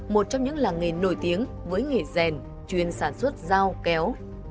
một trong những làng nghề nổi tiếng với nghề rèn chuyên sản xuất dao kéo